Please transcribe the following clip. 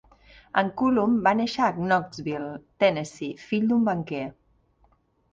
En Cullum va néixer a Knoxville, Tennessee, fill d'un banquer.